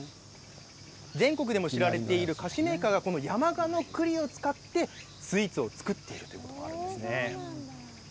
全国でも知られている菓子メーカーがこの山鹿の栗を使ってスイーツを作っているところもあるんですね。